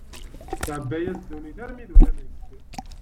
Tεebba-yas ddunit armi d ulamek.